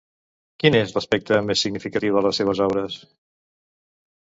Quin és l'aspecte més significatiu de les seves obres?